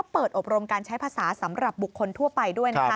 เปิดอบรมการใช้ภาษาสำหรับบุคคลทั่วไปด้วยนะคะ